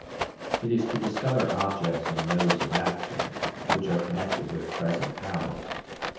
It is to discover objects and modes of action, which are connected with present powers.